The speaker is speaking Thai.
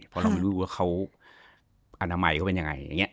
เพราะเรามันรู้ว่าเขาอนามัยก็เป็นยังไง